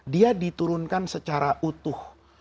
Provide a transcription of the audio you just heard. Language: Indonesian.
dia diturunkan secara utuh